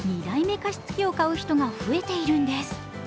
加湿器を買う人が増えているんです。